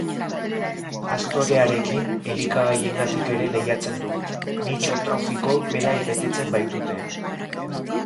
Aztorearekin elikagaiengatik ere lehiatzen du, nitxo trofiko bera betetzen baitute.